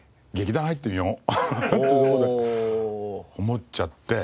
ってそこで思っちゃって。